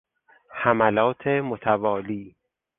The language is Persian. حملات متوالی